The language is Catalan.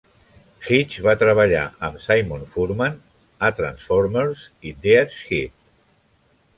Hitch va treballar amb Simon Furman a "Transformers" i "Death's Head".